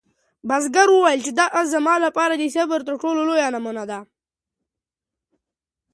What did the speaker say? بزګر وویل چې دا آس زما لپاره د صبر تر ټولو لویه نمونه ده.